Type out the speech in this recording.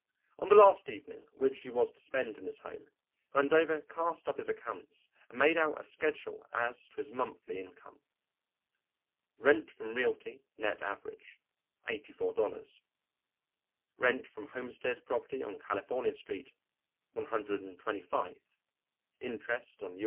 On the last evening which he was to spend in his home, Vandover cast up his accounts and made out a schedule as to his monthly income. Rent from realty, net average $ 84.00 Rent from homestead property on California Street 125.00 Interest on U.